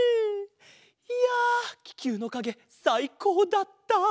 いやききゅうのかげさいこうだった！